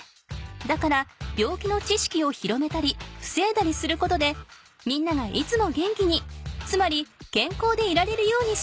だから病気のちしきを広めたりふせいだりすることでみんながいつも元気につまりけんこうでいられるようにしようということよ。